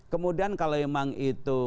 kemudian kalau memang itu